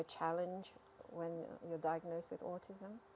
ketika anda diadakan autism